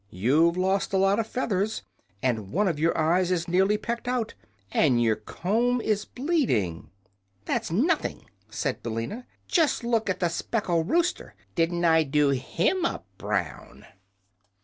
You've lost a lot of feathers, and one of your eyes is nearly pecked out, and your comb is bleeding!" "That's nothing," said Billina. "Just look at the speckled rooster! Didn't I do him up brown?"